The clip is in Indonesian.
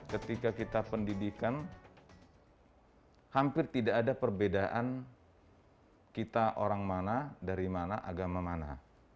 ketika kita pendidikan hampir tidak ada perbedaan kita orang mana dari mana agama mana